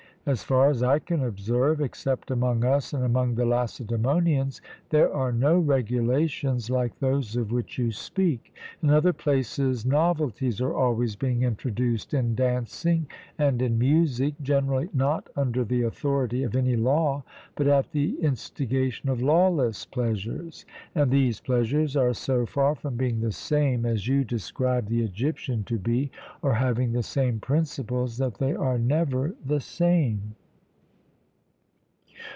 As far as I can observe, except among us and among the Lacedaemonians, there are no regulations like those of which you speak; in other places novelties are always being introduced in dancing and in music, generally not under the authority of any law, but at the instigation of lawless pleasures; and these pleasures are so far from being the same, as you describe the Egyptian to be, or having the same principles, that they are never the same.